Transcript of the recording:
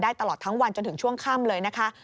ตลอดทั้งวันจนถึงช่วงค่ำเลยนะคะ